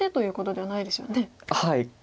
はい。